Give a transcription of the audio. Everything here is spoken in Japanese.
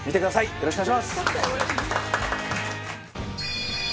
よろしくお願いします。